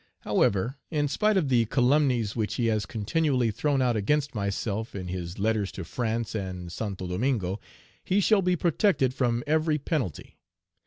However, in spite of the calumnies which he has continually thrown out against myself, in his letters to France and Santo Domingo, he shall be protected from every penalty.